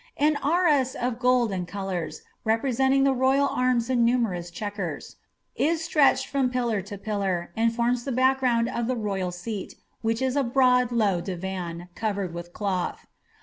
An arras of gold and ctdours, representing the royal arms in numerous chequers, is stretched from pillar to pillar, and forms tike hack ground of the royal seat, which is a broad, low divan, covered with cloth.